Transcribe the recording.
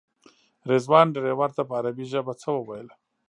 رضوان ډریور ته په عربي ژبه څه وویل.